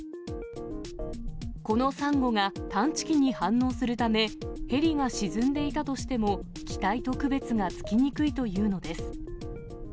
このサンゴが探知機に反応するため、ヘリが沈んでいたとしても機体と区別がつきにくいというのです。